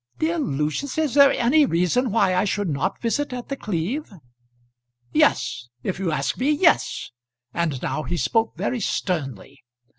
"Dear Lucius, is there any reason why I should not visit at The Cleeve?" "Yes; if you ask me yes;" and now he spoke very sternly.